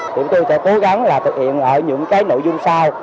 chúng tôi sẽ cố gắng là thực hiện ở những cái nội dung sau